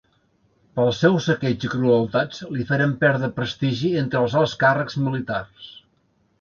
Pels seus saqueigs i crueltats li feren perdre prestigi entre els alts càrrecs militars.